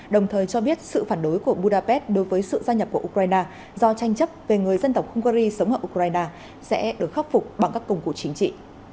đồng thời cho biết sự phản đối của budapest đối với sự gia nhập của ukraine do tranh chấp về người dân tộc hungary sống ở ukraine sẽ được khắc phục bằng các công cụ chính trị